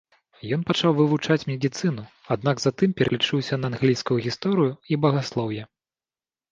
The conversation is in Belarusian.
Ён пачаў вывучаць медыцыну, аднак затым пераключыўся на англійскую гісторыю і багаслоўе.